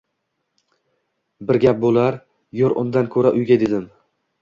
Bir gap boʻlar, yur undan koʻra uyga dedim.